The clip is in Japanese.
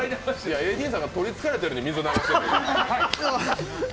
ＡＤさんがとりつかれたように水を流してる。